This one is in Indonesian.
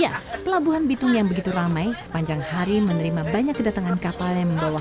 ya pelabuhan bitung yang begitu ramai sepanjang hari menerima banyak kedatangan kapal yang membawa